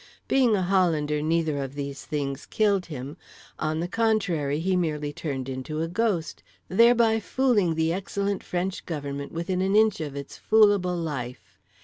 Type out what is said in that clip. Being a Hollander neither of these things killed him—on the contrary, he merely turned into a ghost, thereby fooling the excellent French Government within an inch of its foolable life.